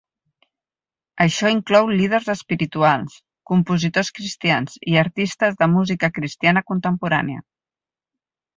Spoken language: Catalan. Això inclou líders espirituals, compositors cristians i artistes de música cristiana contemporània.